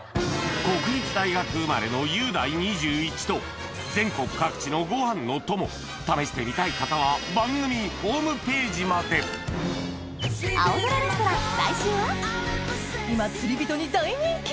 国立大学生まれの全国各地のご飯の友試してみたい方は番組ホームページまで今釣り人に大人気！